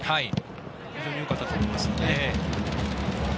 非常によかったと思います。